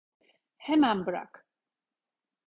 Hemen bırak!